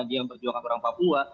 dia yang berjuang ke orang papua